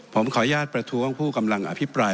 ผมขออนุญาตประท้วงผู้กำลังอภิปราย